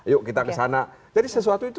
yuk kita kesana jadi sesuatu itu